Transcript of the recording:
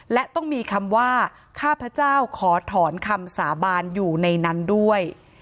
และต้องมีคำว่าข้าพเจ้าขอถอนคำสาบานอยู่ในนั้นด้วย